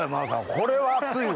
これは熱いわ。